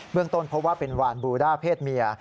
เรื่องต้นพบว่าเป็นวานบูด้าเพศเมีย